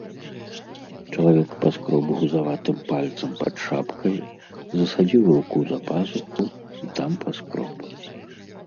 Чалавек паскроб гузаватым пальцам пад шапкаю, засадзіў руку за пазуху і там паскроб.